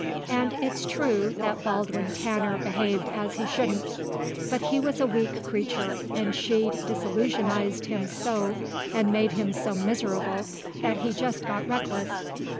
And it's true that Baldwin Tanner behaved as he shouldn't; but he was a weak creature and she'd disillusionized him so and made him so miserable that he just got reckless.